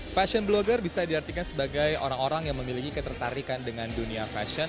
fashion blogger bisa diartikan sebagai orang orang yang memiliki ketertarikan dengan dunia fashion